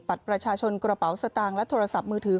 บัตรประชาชนกระเป๋าสตางค์และโทรศัพท์มือถือ